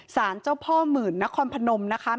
สารเจ้าพ่อหมื่นนครพนมนะคะ